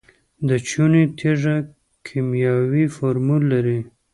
د چونې تیږه کیمیاوي فورمول لري.